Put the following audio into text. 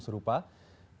investasi bodong serupa